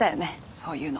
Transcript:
そういうの。